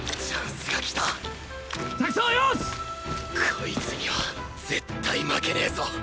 こいつには絶対負けねぞ